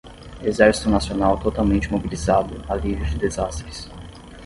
Exército nacional totalmente mobilizado alívio de desastres